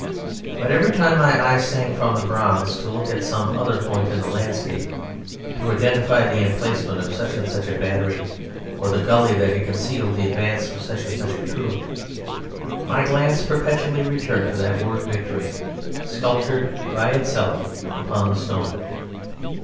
But every time my eyes sank from the bronze, to look at some other point in the landscape to identify the emplacement of such and such a battery or the gully that had concealed the advance of such and such a troop, my glance perpetually returned to that word "VICTORY," sculptured by itself upon the stone.